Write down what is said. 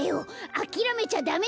あきらめちゃダメだ。